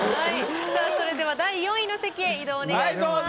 さぁそれでは第４位の席へ移動をお願いします。